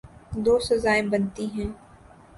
دو سزائیں بنتی ہیں۔